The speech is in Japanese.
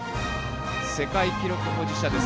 世界記録保持者